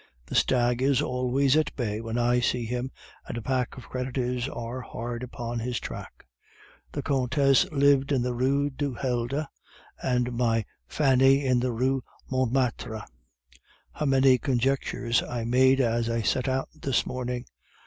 The stag is always at bay when I see him, and a pack of creditors are hard upon his track. The Countess lived in the Rue du Helder, and my Fanny in the Rue Montmartre. How many conjectures I made as I set out this morning!